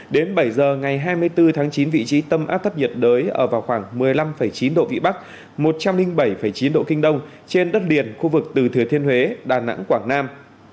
đến bảy giờ ngày hai mươi bốn tháng chín vị trí tâm áp thấp nhiệt đới ở vào khoảng một mươi năm chín độ vĩ bắc một trăm linh bảy chín độ kinh đông trên đất liền khu vực từ thừa thiên huế đà nẵng quảng nam